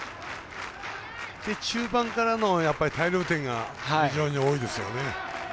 中盤からの大量点が非常に多いですよね。